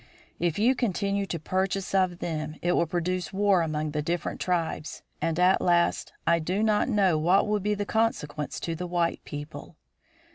If you continue to purchase of them it will produce war among the different tribes, and, at last, I do not know what will be the consequence to the white people.